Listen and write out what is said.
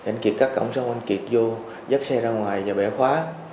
anh kiệt cắt cổng xong anh kiệt vô dắt xe ra ngoài và bẻ khóa